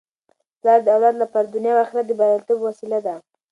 پلار د اولاد لپاره د دنیا او اخرت د بریالیتوب وسیله ده.